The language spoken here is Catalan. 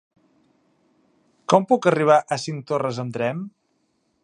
Com puc arribar a Cinctorres amb tren?